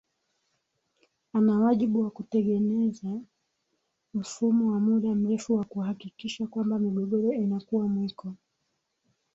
ana wajibu wa kutegeneza mfumo wa muda mrefu wa kuhakikisha kwamba migogoro inakuwa mwiko